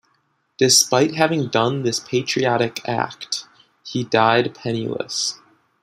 Despite having done this patriotic act, he died penniless.